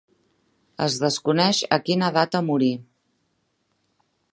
Es desconeix a quina data morí.